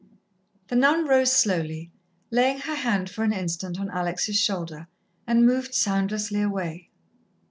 The nun rose slowly, laying her hand for an instant on Alex' shoulder, and moved soundlessly away.